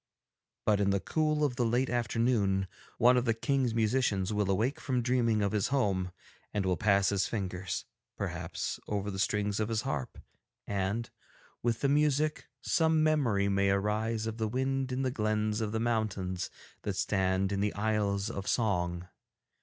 But in the cool of the late afternoon, one of the King's musicians will awake from dreaming of his home and will pass his fingers, perhaps, over the strings of his harp and, with the music, some memory may arise of the wind in the glens of the mountains that stand in the Isles of Song.